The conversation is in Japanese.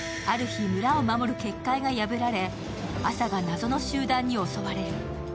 ある日、村を守る決壊が破られ、あさが謎の集団に襲われる。